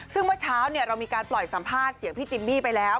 ซึ่งเมื่อเช้าเรามีการปล่อยสัมภาษณ์เสียงพี่จิมมี่ไปแล้ว